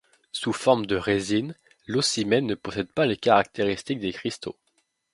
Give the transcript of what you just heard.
Sous forme de résine, l’ocimène ne possède pas les caractéristiques des cristaux.